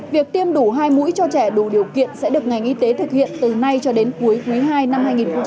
việc tiêm đủ hai mũi cho trẻ đủ điều kiện sẽ được ngành y tế thực hiện từ nay cho đến cuối quý ii năm hai nghìn hai mươi